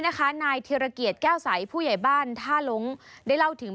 นายธิรเกียจแก้วใสผู้ใหญ่บ้านท่าลงได้เล่าถึง